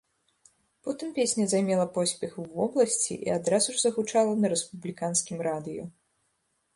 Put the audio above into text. Потым песня займела поспех у вобласці і адразу ж загучала на рэспубліканскім радыё.